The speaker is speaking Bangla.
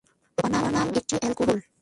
প্রোপানল একটি অ্যালকোহল।